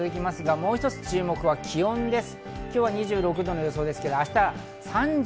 もう一つ注目は気温です。